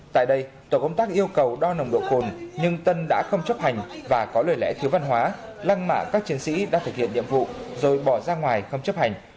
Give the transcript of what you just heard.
tại đây tổ công tác yêu cầu đo nồng độ cồn nhưng tân đã không chấp hành và có lời lẽ thiếu văn hóa lăng mạ các chiến sĩ đã thực hiện nhiệm vụ rồi bỏ ra ngoài không chấp hành